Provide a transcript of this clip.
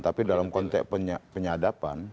tapi dalam konteks penyadapan